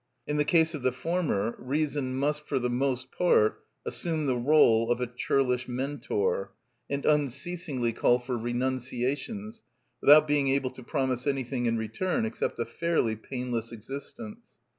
In the case of the former reason must, for the most part, assume the rôle of a churlish mentor, and unceasingly call for renunciations, without being able to promise anything in return, except a fairly painless existence.